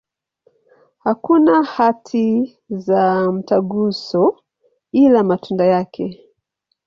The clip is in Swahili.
Hakuna hati za mtaguso, ila matunda yake.